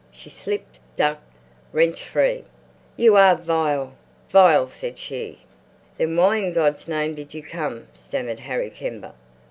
She slipped, ducked, wrenched free. "You are vile, vile," said she. "Then why in God's name did you come?" stammered Harry Kember.